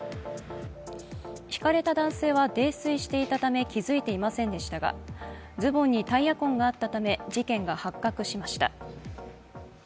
ひかれた男性は泥酔していたため気づいていませんでしたがズボンにタイヤ痕があったため事件が発覚しました。